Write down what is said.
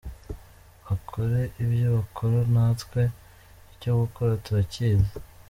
Bakore ibyo bakora natwe icyo gukora turakizi.